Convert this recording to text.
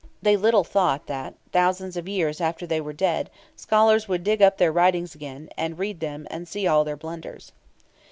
They little thought that, thousands of years after they were dead, scholars would dig up their writings again, and read them, and see all their blunders.